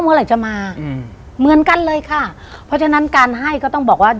เมื่อไหร่จะมาอืมเหมือนกันเลยค่ะเพราะฉะนั้นการให้ก็ต้องบอกว่า